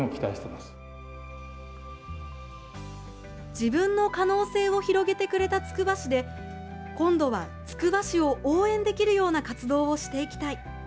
自分の可能性を広げてくれたつくば市で今度はつくば市を応援できるような活動をしていきたい。